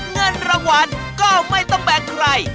เงินรางวัลก็ไม่ต้องแบ่งใคร